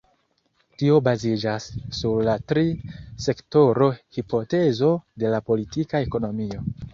Tio baziĝas sur la tri-sektoro-hipotezo de la politika ekonomio.